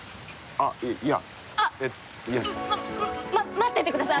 あっ、待っててください！